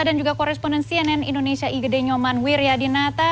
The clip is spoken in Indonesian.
dan juga koresponen cnn indonesia igede nyoman wiryadinata